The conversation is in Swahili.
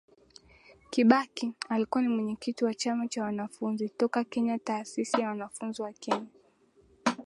Kibaki alikuwa ni mwenyekiti wa chama cha wanafunzi toka Kenyataasisi ya wanafunzi Kenya